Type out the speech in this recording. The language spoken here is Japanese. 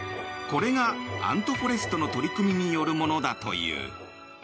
これがアントフォレストの取り組みによるものだという。